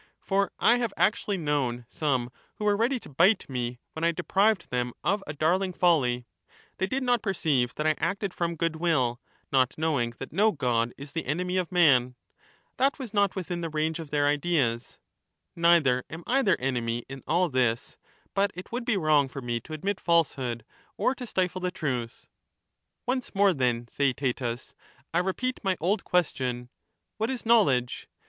For I have actually known some who were ready to bite me when I deprived them of a darling folly ; they did not perceive that I acted from goodwill, not knowing that no god is the enemy of man— that was not within the range of their ideas ; neither am I their enemy in all this, but it would be wrong for me to admit falsehood, or to stifle the truth. Once more, then, Theaetetus, I repeat my old question, ' What is knowledge